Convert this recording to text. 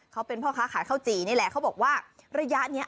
เขาเป็นพ่อค้าขายข้าวจี่นี่แหละเขาบอกว่าระยะนี้